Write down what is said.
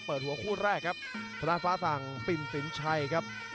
เปิดหัวคู่แรกครับสนานฟ้าศังปินปินชัยครับ